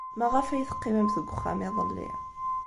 Maɣef ay teqqimemt deg uxxam iḍelli?